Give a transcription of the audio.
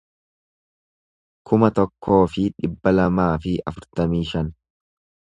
kuma tokkoo fi dhibba lamaa fi afurtamii shan